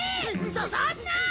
そそんな！